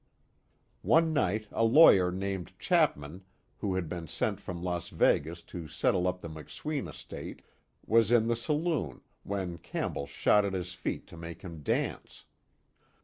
One night a lawyer named Chapman, who had been sent from Las Vegas to settle up the McSween estate, was in the saloon, when Campbell shot at his feet to make him dance.